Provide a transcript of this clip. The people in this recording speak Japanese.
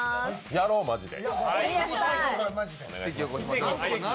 やろう、マジで。